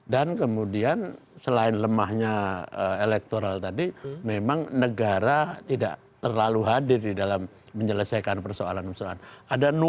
dan kemudian selain lemahnya elektoral tadi memang negara tidak terlalu hadir di dalam menyelesaikan persoalan persoalan